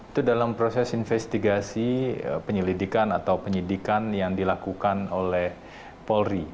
itu dalam proses investigasi penyelidikan atau penyidikan yang dilakukan oleh polri